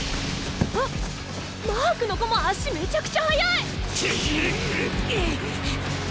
あっマークの子も足めちゃくちゃ速い！